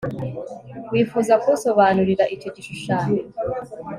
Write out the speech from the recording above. Wifuza kunsobanurira icyo gishushanyo